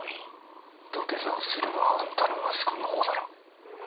土下座をするのはあんたの息子のほうだろ。